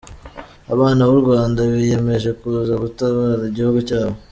abana b'urwanda biyemeje kuza gutabara igihugu cyabo.